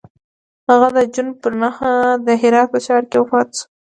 هغه د جون پر نهمه د هرات په ښار کې وفات شو.